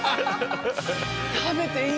食べていいんだ。